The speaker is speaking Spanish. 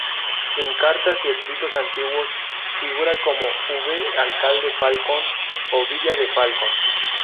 En Cartas y escritos antiguos figura como V"alde-falcon" o "Villa de Falcon".